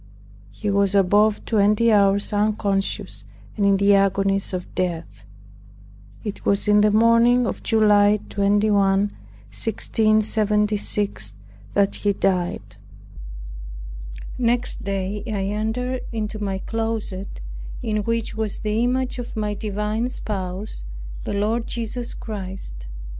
He was above twenty hours unconscious and in the agonies of his death. It was in the morning of July 21, 1676, that he died. Next day I entered into my closet, in which was the image of my divine spouse, the Lord Jesus Christ.